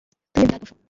তুমি বিড়াল পোষো।